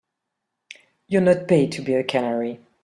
You're not paid to be a canary.